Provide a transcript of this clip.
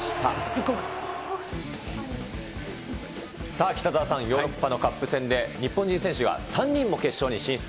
すごい。さあ、北澤さん、ヨーロッパのカップ戦で、日本人選手が３人も決勝に進出。